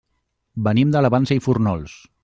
Venim de la Vansa i Fórnols.